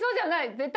絶対。